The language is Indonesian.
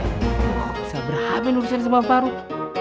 kok bisa berabe nurusin sama farouk